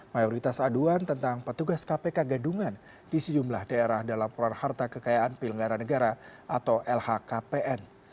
mayoritas aduan tentang petugas kpk gadungan di sejumlah daerah dan laporan harta kekayaan pilgara negara atau lhkpn